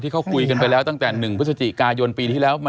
เขาคุยกันไปแล้วตั้งแต่๑พฤศจิกายนปีที่แล้ว